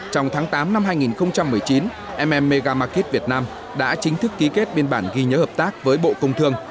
trong tháng tám năm hai nghìn một mươi chín mega market việt nam đã chính thức ký kết biên bản ghi nhớ hợp tác với bộ công thương